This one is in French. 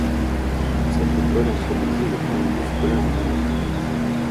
Cette école introduisit le premier bus scolaire au monde.